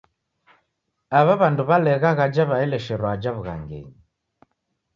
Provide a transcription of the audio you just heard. Aw'a w'andu w'alegha ghaja w'aelesherwa aja w'ughangenyi.